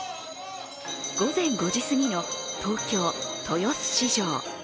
午前５時すぎの東京・豊洲市場。